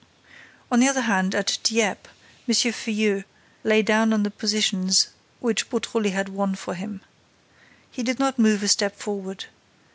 On the other hand, at Dieppe, M. Filleul lay down on the positions which Beautrelet had won for him. He did not move a step forward.